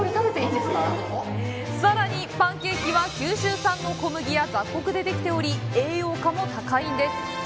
さらに、パンケーキは九州産の小麦や雑穀でできており、栄養価も高いんです！